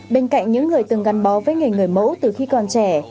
bên cạnh những người từng gắn bó với nghề người mẫu từ khi còn trẻ